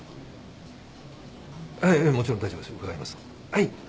はい。